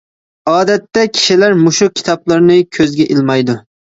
ئادەتتە كىشىلەر مۇشۇ كىتابلارنى كۆزگە ئىلمايدۇ.